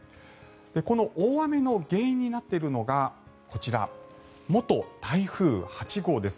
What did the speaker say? この大雨の原因になっているのがこちら元台風８号です。